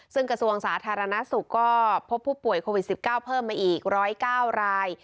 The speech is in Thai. ซึ่งกระทรวงสาธารณสุขก็พบผู้ป่วยโควิด๑๙เพิ่มมาอีก๑๐๙ราย